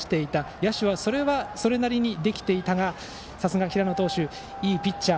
野手は、それなりにできていたがさすが平野投手いいピッチャー。